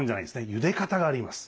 ゆで方があります。